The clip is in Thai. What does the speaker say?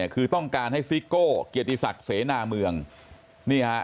คือต้องการให้ซิโก้เกียรติศักดิ์เสนาเมืองนี่ฮะ